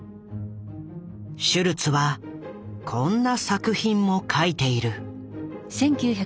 シュルツはこんな作品も描いている。